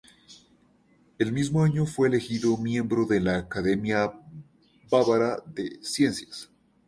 El mismo año fue elegido miembro de la Academia Bávara de Ciencias.